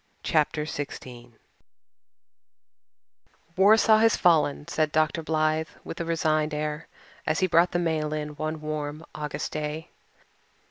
CHAPTER XVI REALISM AND ROMANCE "Warsaw has fallen," said Dr. Blythe with a resigned air, as he brought the mail in one warm August day.